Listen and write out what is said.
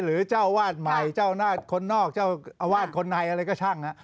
เจ้าวาดใหม่เจ้าหน้าคนนอกเจ้าอาวาสคนในอะไรก็ช่างนะ